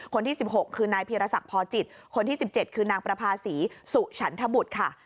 ๑๖คือนายพีรศักดิ์พอจิตคนที่๑๗คือนางประภาษีสุฉันทบุตรค่ะ